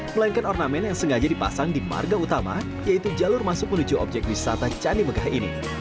melainkan ornamen yang sengaja dipasang di marga utama yaitu jalur masuk menuju objek wisata candi megah ini